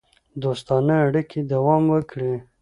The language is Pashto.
دوستانه اړیکې دوام وکړي.